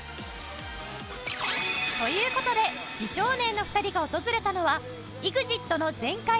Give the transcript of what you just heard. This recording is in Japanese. という事で美少年の２人が訪れたのは ＥＸＩＴ の全開！！